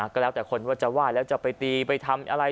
ก็แล้วแต่คนว่าจะไหว้แล้วจะไปตีไปทำอะไร